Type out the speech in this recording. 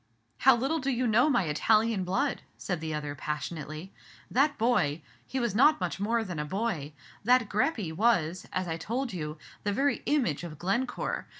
"How little do you know my Italian blood!" said the other, passionately. "That boy he was not much more than boy that Greppi was, as I told you, the very image of Glencore.